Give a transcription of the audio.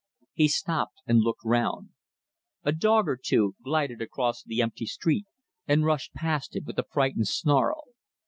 He stopped and looked round. A dog or two glided across the empty street and rushed past him with a frightened snarl.